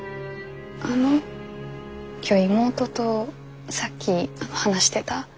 あの今日妹とさっき話してた。